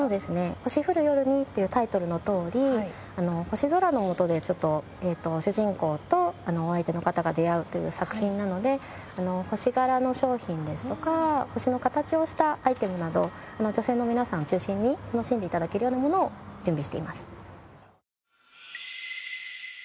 『星降る夜に』というタイトルのとおり星空の下で主人公とお相手の方が出会うという作品なので星柄の商品ですとか星の形をしたアイテムなど女性の皆さんを中心に楽しんで頂けるようなものを準備しています。